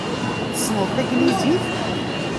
Tessneḍ taglizit?